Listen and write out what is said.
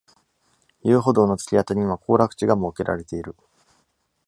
遊歩道の突き当たりには行楽地が設けられている。